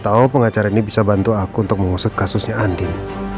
tahu pengacara ini bisa bantu aku untuk mengusut kasusnya andin